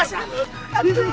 hadapi dulu aku